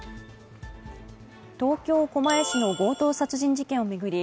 東京・狛江市の強盗殺人事件を巡り